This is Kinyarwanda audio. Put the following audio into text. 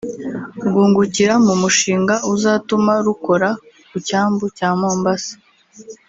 rwungukira mu mushinga uzatuma rukora ku cyambu cya Mombasa